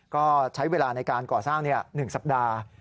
ก็ใช้เวลาในการก่อสร้าง๑สัปดาห์